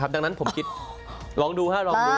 ดังนั้นผมคิดลองดูค่ะ